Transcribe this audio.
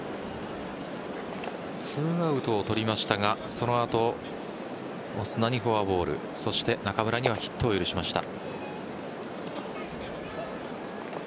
２アウトを取りましたがその後、オスナにフォアボールそして中村にはヒットを許しました。